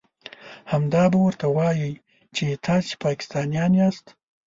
همدا به ورته وايئ چې تاسې پاکستانيان ياست.